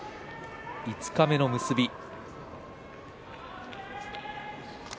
五日目の結びです。